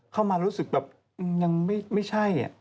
เข้ามารู้สึกแบบอื้ำยังไม่ใช่